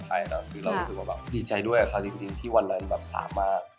คือเรารู้สึกว่าดีใจด้วยกับเขาจริงที่วันนั้นสามารถ